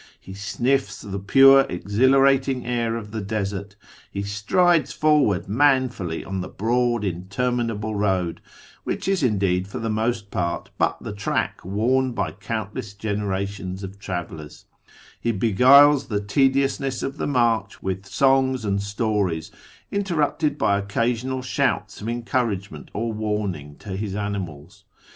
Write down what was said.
He sniffs the pure exhilarating air of the desert, he strides forward manfully on the broad interminable road (which is, indeed, for the most part but the track worn by countless generations of travellers), he beguiles the tediousness of the march with songs and stories, interrupted by occasional shouts of encouragement or warning to his animals.